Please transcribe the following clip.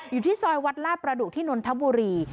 อยู่ที่ซอยวัดลาดประดุกที่นนทบุรี